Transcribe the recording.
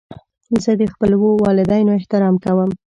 زه د خپلو والدینو احترام کوم.